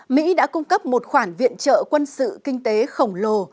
mỹ đã cung cấp một khoản viện trợ quân sự kinh tế khổng lồ